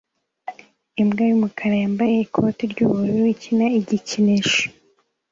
Imbwa y'umukara yambaye ikoti ry'ubururu ikina igikinisho